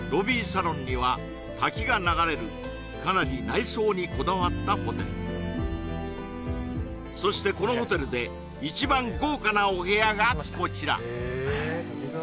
サロンには滝が流れるかなり内装にこだわったホテルそしてこのホテルで一番豪華なお部屋がこちら